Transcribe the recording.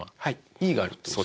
Ｅがあるってこと。